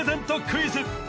クイズ